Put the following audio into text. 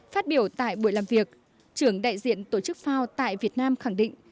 phát biểu tại buổi làm việc trưởng đại diện tổ chức fao tại việt nam khẳng định